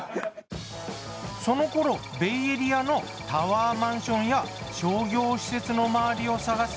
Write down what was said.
その頃ベイエリアのタワーマンションや商業施設の周りを探す